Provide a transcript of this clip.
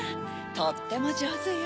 とってもじょうずよ。